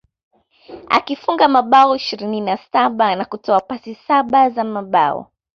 Akifunga mabao ishirini na saba na kutoa pasi saba za mabao